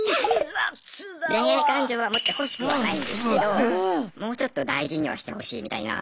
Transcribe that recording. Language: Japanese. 恋愛感情は持ってほしくはないんですけどもうちょっと大事にはしてほしいみたいな。